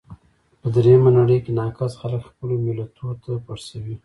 په درېیمه نړۍ کې ناکس خلګ خپلو ملتو ته پړسوي.